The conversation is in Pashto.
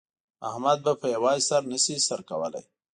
احمد په په یوازې سر نه شي سر کولای.